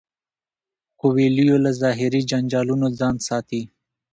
کویلیو له ظاهري جنجالونو ځان ساتي.